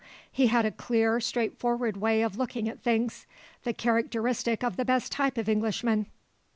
He had a clear, straightforward way of looking at things, the characteristic of the best type of Englishmen.